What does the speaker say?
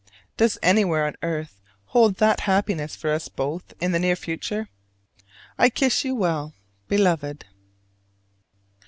Does anywhere on earth hold that happiness for us both in the near future? I kiss you well, Beloved.